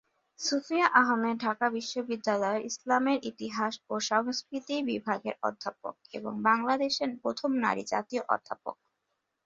সুফিয়া আহমেদ ঢাকা বিশ্ববিদ্যালয়ের ইসলামের ইতিহাস ও সংস্কৃতি বিভাগের অধ্যাপক এবং বাংলাদেশের প্রথম নারী জাতীয় অধ্যাপক।